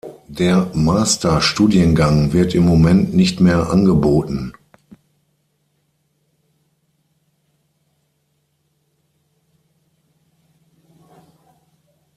Der Master-Studiengang wird im Moment nicht mehr angeboten.